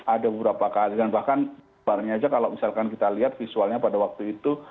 ada beberapa keadaan bahkan barangnya aja kalau misalkan kita lihat visualnya pada waktu itu